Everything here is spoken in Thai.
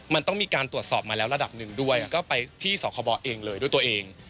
มันต้องมีการตรวจสอบมาแล้วระดับหนึ่งด้วยก็ไปที่สคบเองเลยด้วยตัวเอง